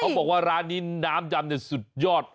เขาบอกว่าร้านนี้น้ำยำเนี่ยสุดยอด